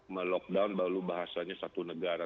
melockdown baru bahasanya satu negara